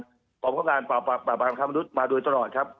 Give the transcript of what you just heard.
กรมคับการปราบปราบรามค้ามนุษย์มาโดยตลอดครับ